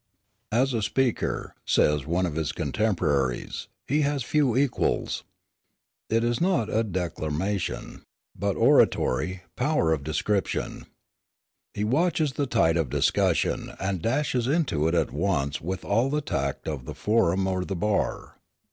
"As a speaker," says one of his contemporaries, "he has few equals. It is not declamation, but oratory, power of description. He watches the tide of discussion, and dashes into it at once with all the tact of the forum or the bar.